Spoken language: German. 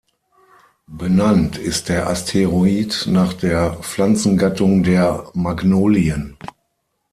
Benannt ist der Asteroid nach der Pflanzengattung der Magnolien.